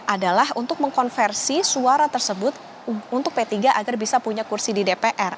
adalah untuk mengkonversi suara tersebut untuk p tiga agar bisa punya kursi di dpr